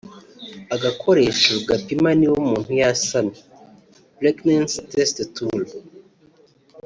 Agakoresho gapima niba umuntu yasamye (pregnancy test tool)